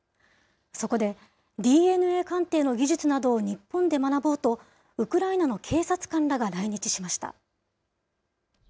そこで、ＤＮＡ鑑定などの技術を日本で学ぼうと、ウクライナの警察官らが来日しました。